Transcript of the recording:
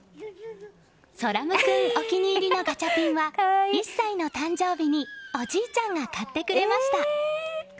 空夢君お気に入りのガチャピンは１歳の誕生日におじいちゃんが買ってくれました。